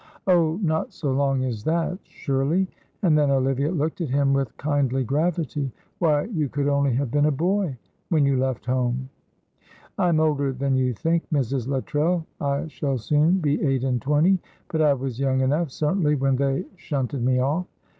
"Oh, not so long as that, surely," and then Olivia looked at him with kindly gravity. "Why, you could only have been a boy when you left home." "I am older than you think, Mrs. Luttrell I shall soon be eight and twenty but I was young enough, certainly, when they shunted me off.